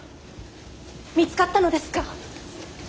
見つかったのですか？